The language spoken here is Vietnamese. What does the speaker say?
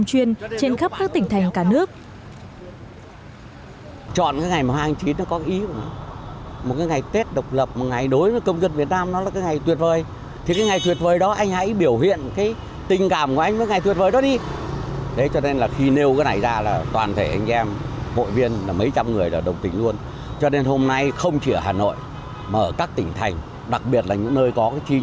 các nhiếp ảnh ra chuyên và không chuyên trên khắp các tỉnh thành cả nước